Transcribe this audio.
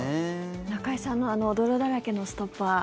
中居さんのあの泥だらけのストッパー